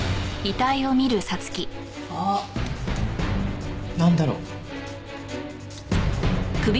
あっなんだろ？